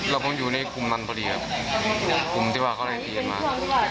เราคงอยู่ในกลุ่มนั้นพอดีครับกลุ่มที่ว่าเขาไล่ตีกันมา